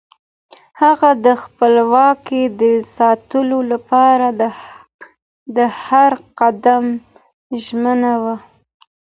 هغه د خپلواکۍ د ساتلو لپاره د هر قدم ژمن و.